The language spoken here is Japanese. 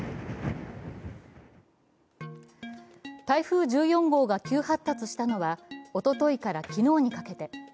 台風１４号が急発達したのはおとといから昨日にかけて。